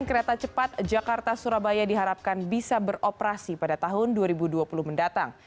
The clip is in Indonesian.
kereta cepat jakarta surabaya diharapkan bisa beroperasi pada tahun dua ribu dua puluh mendatang